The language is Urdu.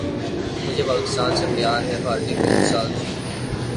مجھے پاکستان سے پیار ہے بھارتی فلم ساز